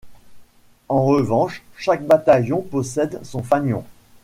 En revanche chaque bataillon possède son fanion.